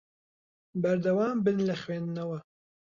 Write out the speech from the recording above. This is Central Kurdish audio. بەردەوام بن لە خوێندنەوە.